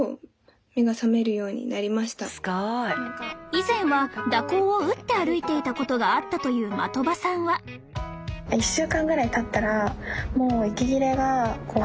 以前は蛇行を打って歩いていたことがあったという的場さんは今回鉄活に参加した生徒たち。